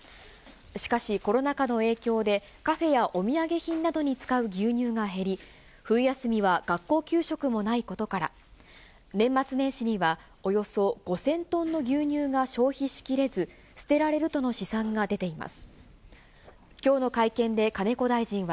しかし、コロナ禍の影響で、カフェやお土産品などに使う牛乳が減り、冬休みは学校給食もないことから、年末年始にはおよそ５０００トンの牛乳が消費しきれず、捨てられるとの試算が出ています。